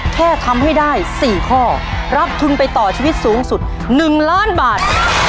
แค่ทำให้ได้๔ข้อรับทุนไปต่อชีวิตสูงสุด๑ล้านบาท